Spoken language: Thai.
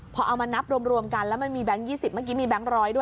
พอเอามานับรวมกันแล้วมันมีแบงค์๒๐บาท